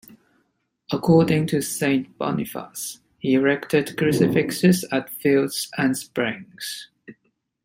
According to Saint Boniface, he erected crucifixes at fields and springs.